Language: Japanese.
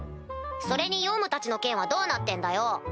それにヨウムたちの件はどうなってんだよ！